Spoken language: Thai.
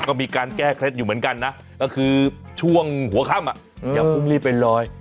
ก็บีการแก้เคล็ดอยู่เหมือนกันนะก็คือช่วงหัวครั้มก็รีบรีบไปลอย